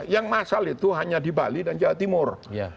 yang masal itu hanya di bali dan jawa timur